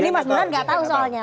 ini mas bulan gak tau soalnya